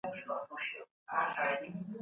زه د مستو په څښلو بوخت یم.